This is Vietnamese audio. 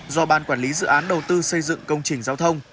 do ban quản lý dự án đầu tư xây dựng công trình giao thông